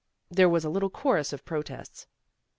There was a little chorus of protests.